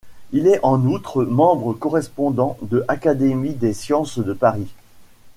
Il est en outre membre correspondant de Académie des sciences de Paris.